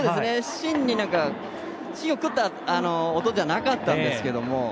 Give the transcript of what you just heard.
芯を食った音じゃなかったんですけども。